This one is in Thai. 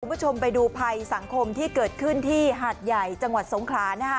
คุณผู้ชมไปดูภัยสังคมที่เกิดขึ้นที่หาดใหญ่จังหวัดสงขลานะคะ